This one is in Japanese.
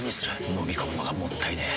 のみ込むのがもったいねえ。